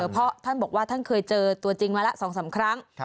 เพราะท่านบอกว่าท่านเคยเจอตัวจริงมาแล้ว๒๓ครั้ง